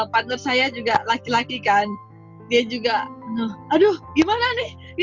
partner saya juga laki laki kan dia juga aduh gimana nih